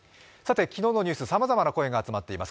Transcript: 昨日のニュース、さまざまな声が集まっています。